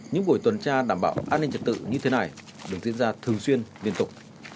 những buổi tuần tra đảm bảo an ninh trật tự như thế này được diễn ra thường xuyên liên tục